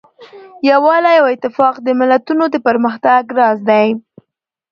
یووالی او اتفاق د ملتونو د پرمختګ راز دی.